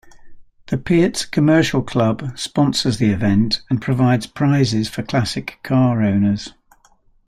The Pierz Commercial Club sponsors the event and provides prizes for classic car owners.